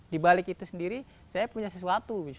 dibalik itu sendiri saya punya sesuatu